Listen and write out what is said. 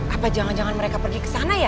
apa jangan jangan mereka pergi kesana ya